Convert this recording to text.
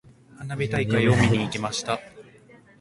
花火大会を見に行きました。